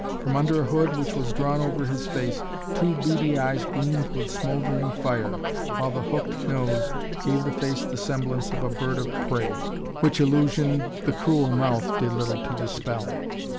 From under a hood which was drawn over his face two beady eyes gleamed with smouldering fire, while the hooked nose gave the face the semblance of a bird of prey, which illusion the cruel mouth did little to dispel.